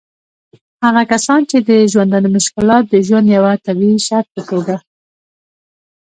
هغه کسان چې د ژوندانه مشکلات د ژوند د یوه طبعي شرط په توګه